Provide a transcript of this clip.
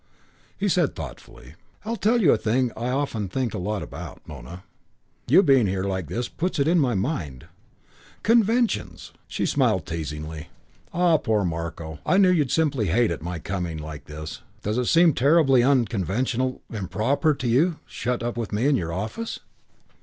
He said thoughtfully, "I tell you a thing I often think a lot about, Nona. You being here like this puts it in my mind. Conventions." She smiled teasingly. "Ah, poor Marko. I knew you'd simply hate it, my coming in like this. Does it seem terribly unconventional, improper, to you, shut up with me in your office?"